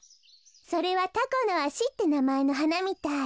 それはタコノアシってなまえのはなみたい。